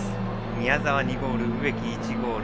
宮澤、２ゴール植木、１ゴール。